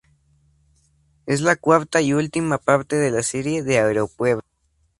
Es la cuarta y última parte de la serie de Aeropuerto.